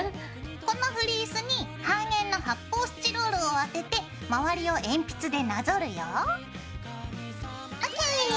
このフリースに半円の発泡スチロールを当てて周りを鉛筆でなぞるよ。ＯＫ。